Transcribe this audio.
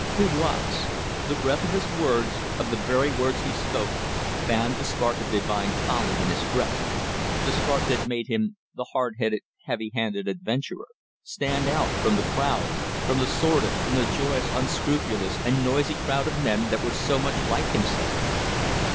He was. The breath of his words, of the very words he spoke, fanned the spark of divine folly in his breast, the spark that made him the hard headed, heavy handed adventurer stand out from the crowd, from the sordid, from the joyous, unscrupulous, and noisy crowd of men that were so much like himself.